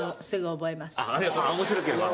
面白ければ。